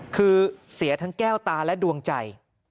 คือเสียทั้งแก้วตาและดวงใจ